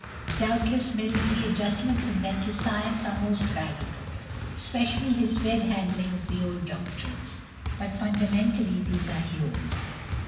Doubtless Mill's readjustments in mental science are most valuable, especially his rehandling of the old doctrines; but fundamentally these are Hume's.